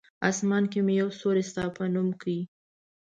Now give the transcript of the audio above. آسمان کې مې یو ستوری ستا په نوم کړی!